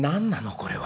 これは。